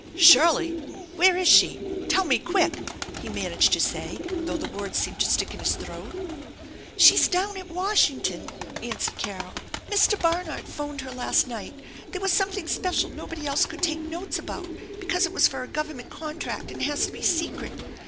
" Shirley ! Where is she ? Tell me, quick !" he managed to say, though the words seemed to stick in his throat. " She's down at Washington," answered Carol. " Mr. Barnard phoned her last night. There was something special nobody else could take notes about, because it was for a Government contract, and has to be secret.